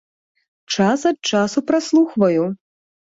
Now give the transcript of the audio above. Час ад часу праслухваю.